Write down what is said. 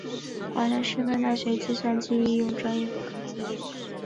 华南师范大学计算机应用专业本科毕业。